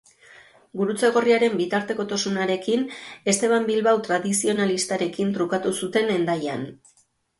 Gurutze Gorriaren bitartekotasunarekin Esteban Bilbao tradizionalistarekin trukatu zuten Hendaian.